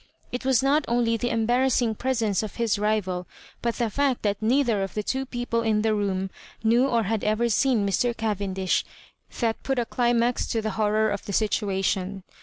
It was not only the embarrassing presence of his rival, but the fact that neither of the two people in the room knew or had ever seen Mr. Caven dish, that put a dimaz to the horror of the situa tion.